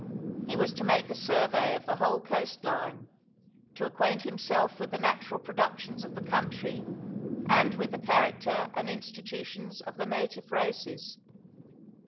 He was to make a survey of the whole coastline, to acquaint himself with the natural productions of the country, and with the character and institutions of the native races.